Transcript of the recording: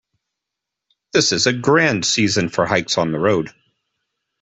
This is a grand season for hikes on the road.